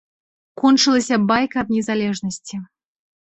Кончылася байка аб незалежнасці.